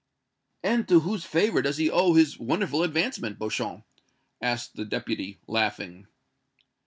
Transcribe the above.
"And to whose favor does he owe his wonderful advancement, Beauchamp?" asked the Deputy, laughing.